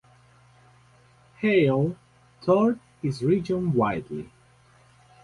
Hale toured his region widely.